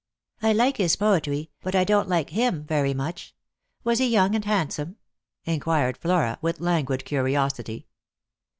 " I like his poetry, but I don't like liim very much. Was he young and handsome ?" inquired Flora with languid curiosity.